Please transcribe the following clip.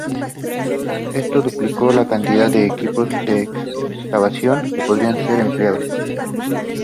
Esto duplicó la cantidad de equipos de excavación que podrían ser empleados.